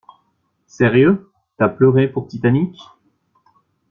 Sérieux? T'as pleuré pour Titanic ?